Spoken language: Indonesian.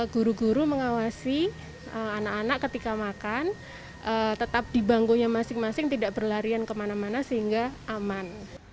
guru guru mengawasi anak anak ketika makan tetap di bangkunya masing masing tidak berlarian kemana mana sehingga aman